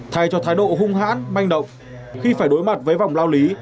thay cho thái độ hung hãn manh động khi phải đối mặt với vòng lao lý